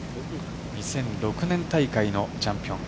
２００６年大会のチャンピオン。